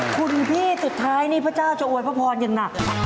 คุณพี่สุดท้ายนี่พระเจ้าจะอวยพระพรอย่างหนัก